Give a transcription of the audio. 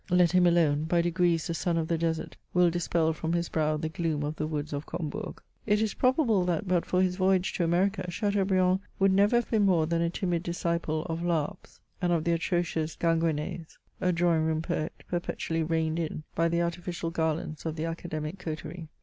Let him alone ; by degrees the sun of the desert will dispel from his brow the gloom of the woods of Combourg. It is probable that, but for his voyage to America, Chateau briand would never have been more than a timid disciple of La Harpe's, and of the atrocious Ginguend's ; a drawing room poet, perpetually reined in by the artificial garlands of the academic coterie.